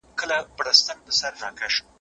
عادتونه په اسانۍ سره نه بدلیږي.